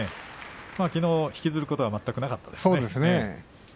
きのうを引きずることは全くなかったですね。